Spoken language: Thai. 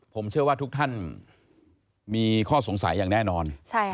ผมเชื่อว่าทุกท่านมีข้อสงสัยอย่างแน่นอน